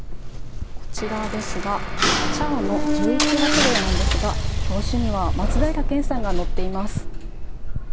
こちらですが、ちゃおの１１月号なんですが、表紙には松平健さんが載っています。